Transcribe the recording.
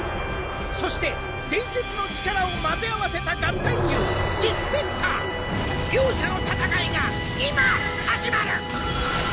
そして伝説の力を混ぜ合わせた合体獣ディスペクター。両者の戦いが今始まる！